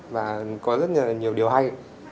và có rất là nhiều điều hay